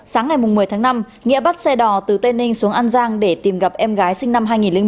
sáng ngày một mươi tháng năm nghĩa bắt xe đò từ tây ninh xuống an giang để tìm gặp em gái sinh năm hai nghìn chín